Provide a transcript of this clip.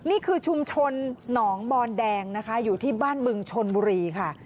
นี่คือชุมชนหนองบอนแดงนะคะอยู่ที่บ้านบึงชนบุรีค่ะ